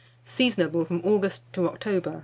Seasonable from August to October.